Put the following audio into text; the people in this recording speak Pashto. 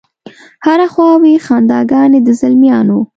هره خوا وي خنداګانې د زلمیانو